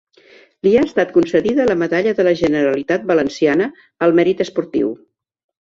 Li ha estat concedida la Medalla de la Generalitat valenciana al mèrit esportiu.